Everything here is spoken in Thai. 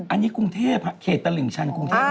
อันนี้กรุงเทพเขตตลิ่งชันกรุงเทพ